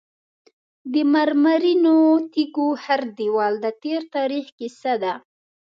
د مرمرینو تیږو هر دیوال د تیر تاریخ کیسه ده.